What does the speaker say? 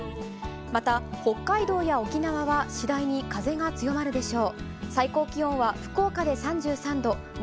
また、北海道や沖縄は次第に風が強まるでしょう。